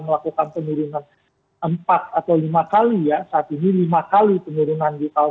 melakukan penurunan empat atau lima kali ya saat ini lima kali penurunan di tahun dua ribu dua